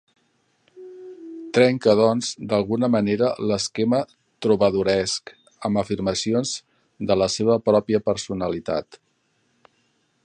Trenca, doncs, d'alguna manera, l'esquema trobadoresc amb afirmacions de la seva pròpia personalitat.